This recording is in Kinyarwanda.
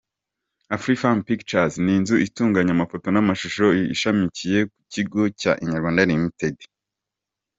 Afrifame Pictures ni inzu itunganya amafoto n’amashusho ishamikiye ku kigo cya Inyarwanda Ltd.